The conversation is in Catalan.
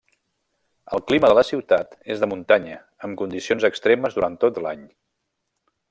El clima de la ciutat és de muntanya amb condicions extremes durant tot l'any.